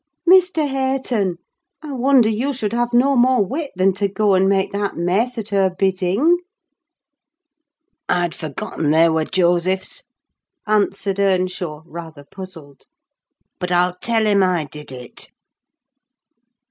Mr. Hareton, I wonder you should have no more wit than to go and make that mess at her bidding!" "I'd forgotten they were Joseph's," answered Earnshaw, rather puzzled; "but I'll tell him I did it."